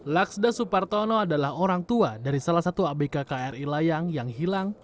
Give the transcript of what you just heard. laksda supartono adalah orang tua dari salah satu abk kri layang yang hilang